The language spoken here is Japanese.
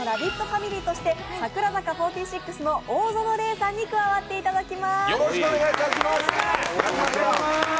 ファミリーとして櫻坂４６の大園玲さんに加わっていただきます。